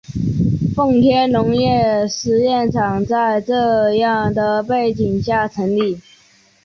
奉天农业试验场在这样的背景下成立。